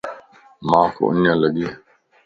مانک اڃ لڳي